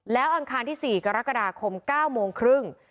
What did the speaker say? แล้วอังคารที่๔กรกฎาคม๙โมงครึ่ง